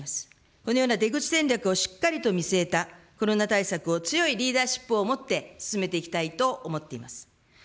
このような出口戦略をしっかりと見据えた、コロナ対策を強いリーダーシップを持って進めていきたいと思っています。